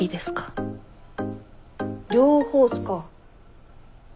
両方っすか。